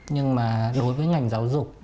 nhưng mà đối với ngành giáo dục